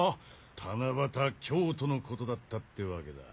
「七夕京都」のことだったってわけだ。